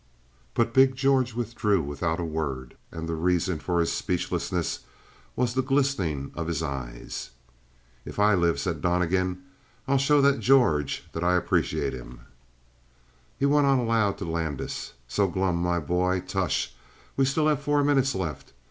But big George withdrew without a word, and the reason for his speechlessness was the glistening of his eyes. "If I live," said Donnegan, "I'll show that George that I appreciate him." He went on aloud to Landis: "So glum, my boy? Tush! We have still four minutes left.